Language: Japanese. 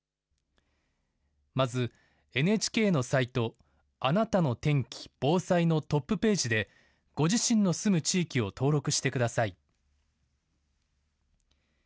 まず、ＮＨＫのサイトあなたの天気・防災のトップページでご自身の住む地域を登録してください。